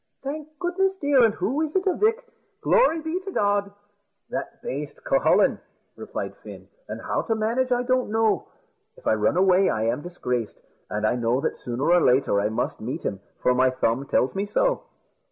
"Thank goodness, dear! an' who is it, avick? Glory be to God!" "That baste, Cucullin," replied Fin; "and how to manage I don't know. If I run away, I am disgraced; and I know that sooner or later I must meet him, for my thumb tells me so."